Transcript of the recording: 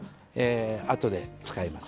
あとで使います。